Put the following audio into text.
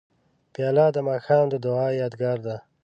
پیاله د ماښام د دعا یادګار ده.